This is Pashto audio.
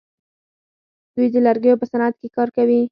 دوی د لرګیو په صنعت کې کار کوي.